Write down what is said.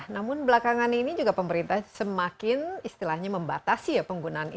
namun belakangan ini juga pemerintah semakin membatasi penggunaan informasi